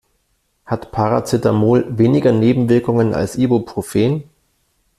Hat Paracetamol weniger Nebenwirkungen als Ibuprofen?